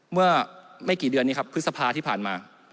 เมื่อไม่กี่เดือนนี้ครับพฤษภาที่ผ่านมา